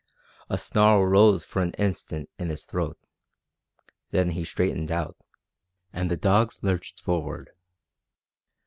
A snarl rose for an instant in his throat, then he straightened out, and the dogs lurched forward.